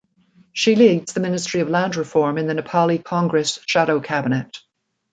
She leads the Ministry of Land Reform in the Nepali Congress shadow cabinet.